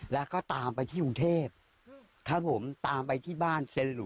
แล้วก็ตามไปที่ถุงเทพตามไปที่บ้านเซลลุยนะครับ